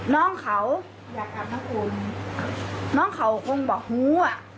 น้องเขาอยากอาบน้ำอุ่นน้องเขาคงบอกหูอ่ะ